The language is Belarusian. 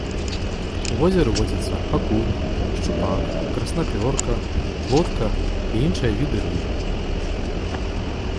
У возеры водзяцца акунь, шчупак, краснапёрка, плотка і іншыя віды рыб.